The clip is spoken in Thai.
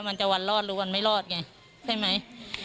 มันจะวันรอดหรือวันไม่รอดไงใช่ไหม